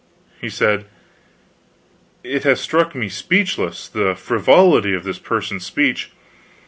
He said: "It hath struck me speechless, the frivolity of this person's speech.